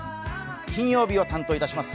金曜日を担当いたします